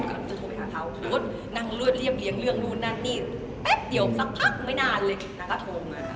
แล้วอาทิตย์เจอคนที่เดี๋ยวจะโทรไปหาเค้า